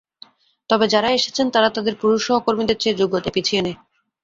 তবে যাঁরা এসেছেন, তাঁরা তাঁদের পুরুষ সহকর্মীদের চেয়ে যোগ্যতায় পিছিয়ে নেই।